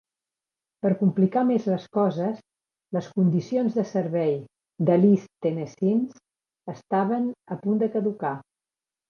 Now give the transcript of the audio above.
Per complicar més les coses, les condicions de servei de l'East Tennesseans estaven a punt de caducar.